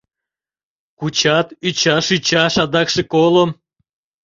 Кучат ӱчаш-ӱчаш адакше колым.